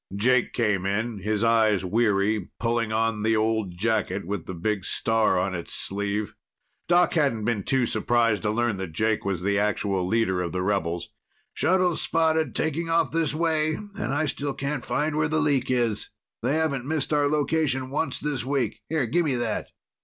Jake came in, his eyes weary, pulling on the old jacket with the big star on its sleeve. Doc hadn't been too surprised to learn that Jake was the actual leader of the rebels. "Shuttles spotted taking off this way. And I still can't find where the leak is. They haven't missed our location once this week. Here, give me that."